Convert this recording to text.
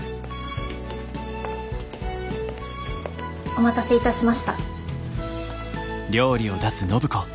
お待たせいたしました。